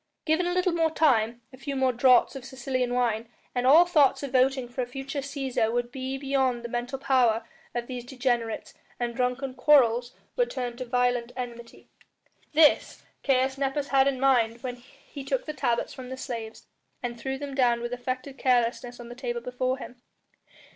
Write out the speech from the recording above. Given a little more time, a few more draughts of Sicilian wine, and all thoughts of voting for a future Cæsar would be beyond the mental power of these degenerates, and drunken quarrels would turn to violent enmity. This Caius Nepos had in mind when he took the tablets from the slaves, and threw them down with affected carelessness on the table before him.